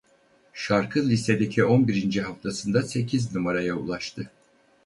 Şarkı listedeki on birinci haftasında sekiz numaraya ulaştı.